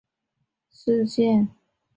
波托米阶末期灭绝事件末期的灭绝事件。